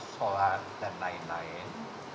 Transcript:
sholat dan lain lain